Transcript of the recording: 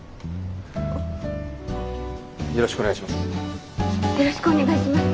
よろしくお願いします。